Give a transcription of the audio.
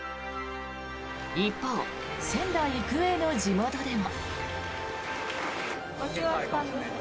一方、仙台育英の地元でも。